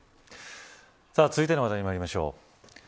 続いての話題にまいりましょう。